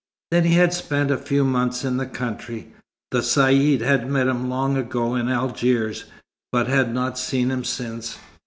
Then he had spent a few months in the country. The Caïd had met him long ago in Algiers, but had not seen him since.